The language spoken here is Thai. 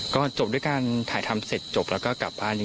ก็จบด้วยการถ่ายทำเสร็จจบแล้วก็กลับบ้านจริง